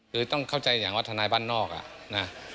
คือต้องเข้าใจอย่างว่าทนายบ้านนอกอ่ะนะ